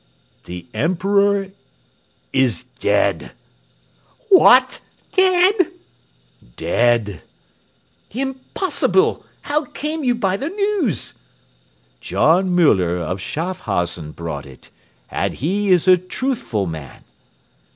"The Emperor is dead." "What! dead?" "Dead!" "Impossible! How came you by the news?" "John Müller of Schaffhausen brought it. And he is a truthful man."